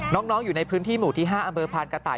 น้องอยู่ในพื้นที่หมู่ที่๕อำเภอพานกระต่าย